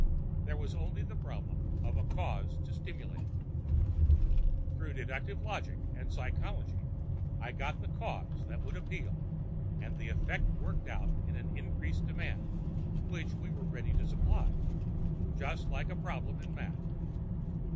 There was only the problem of a cause to stimulate it. Through deductive logic' and 'psychology' I got the cause that would appeal, and the effect worked out in an increased demand which we were ready to supply—just like a problem in math."